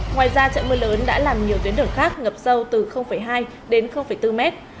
ngoài ra trận mưa lớn đã làm nhiều tuyến đường khác ngập sâu từ hai đến bốn mét